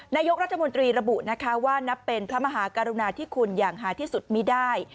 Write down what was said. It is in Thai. นายกรัฐมนตรีระบุนะคะว่านับเป็นพระมหากรุณาที่คุณอย่างหาที่สุดมีได้